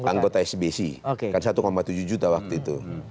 anggota sbc kan satu tujuh juta waktu itu